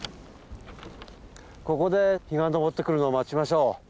ここで日が昇ってくるのを待ちましょう。